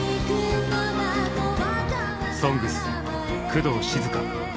「ＳＯＮＧＳ」工藤静香。